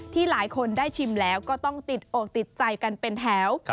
หลายคนได้ชิมแล้วก็ต้องติดอกติดใจกันเป็นแถว